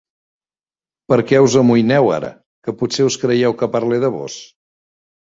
Per què us amoïneu ara? Que potser us creieu que parle de vós?